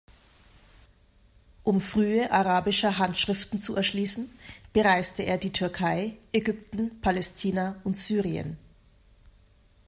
Um frühe arabischer Handschriften zu erschließen, bereiste er die Türkei, Ägypten, Palästina und Syrien.